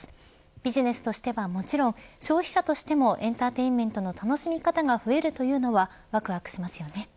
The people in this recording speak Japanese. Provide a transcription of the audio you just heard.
ビジネスとしてはもちろん消費者としてもエンターテインメントの楽しみ方が増えるというのはわくわくしますよね。